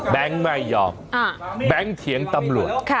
แบงกไม่ยอมแบงกเถียงตำรวจ